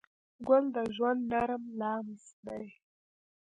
ګل د ژوند نرم لمس دی.